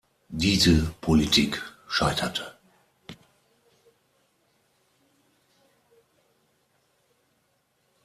Diese Politik scheiterte.